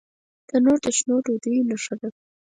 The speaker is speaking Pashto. تنور د شنو ډوډیو نښه ده